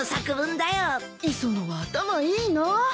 磯野は頭いいな。